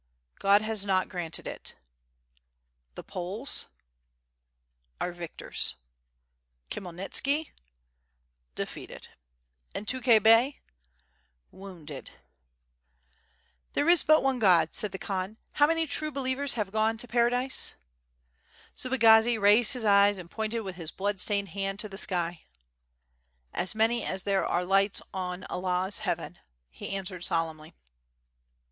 "God has not granted it.^' "The Poles?" "Are victors." "Khmyehiitski?" "Defeated." "And Tukhay Bey?'' ^^Wounded/' y,5 WITB FIRE ASD HWORD, "There is but one God," said the Khan, *Tiow many true believers have gone to Paradi^?" Subagazi raised his eyes and pointed with his blood stained hand to the sky. "As many as there are lights on Allah *s Heaven/' he answered solemnly.